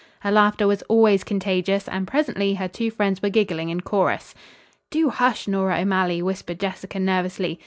Her laughter was always contagious, and presently her two friends were giggling in chorus. "Do hush, Nora O'Malley!" whispered Jessica nervously.